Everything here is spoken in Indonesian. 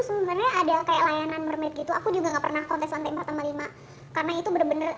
sebenarnya ada kayak layanan mermaid gitu aku juga nggak pernah kontes lantai pertama lima karena itu bener bener